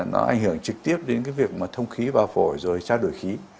nó ảnh hưởng trực tiếp đến cái việc mà thông khí vào phổi rồi trao đổi khí